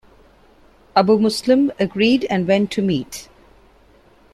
Abu Muslim agreed and went to meet.